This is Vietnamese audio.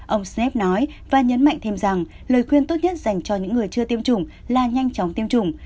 ông snap nói và nhấn mạnh thêm rằng lời khuyên tốt nhất dành cho những người chưa tiêm chủng là nhanh chóng tiêm chủng